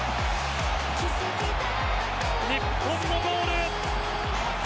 日本のゴール！